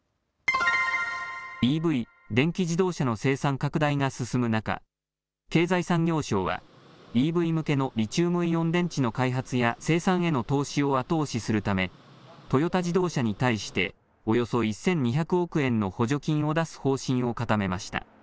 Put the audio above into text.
ＥＶ・電気自動車の生産拡大が進む中、経済産業省はＥＶ向けのリチウムイオン電池の開発や生産への投資を後押しするためトヨタ自動車に対しておよそ１２００億円の補助金を出す方針を固めました。